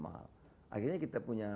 akhirnya kita punya